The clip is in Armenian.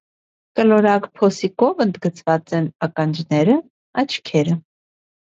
Կլորակ փոսիկով ընդգծված են ականջները, աչքերը։